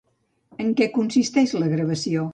En què consisteix la gravació?